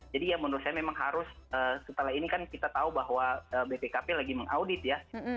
jadi ya menurut saya memang harus setelah ini kan kita tahu bahwa bpkp lagi mengaudit ya